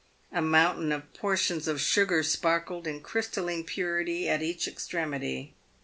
A mountain of portions of sugar sparkled in crystalline purity at each extremity.